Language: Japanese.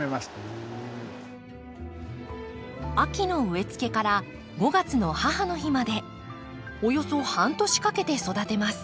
秋の植えつけから５月の母の日までおよそ半年かけて育てます。